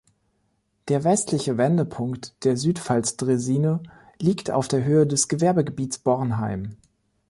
Der westliche Wendepunkt der "Südpfalz-Draisine" liegt auf Höhe des Gewerbegebiets Bornheim.